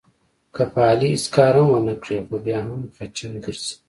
که په علي هېڅ کار هم ونه کړې، خو بیا هم خچن ګرځي.